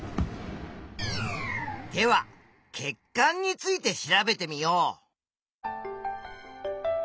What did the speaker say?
では血管について調べてみよう！